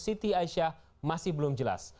city asia masih belum jelas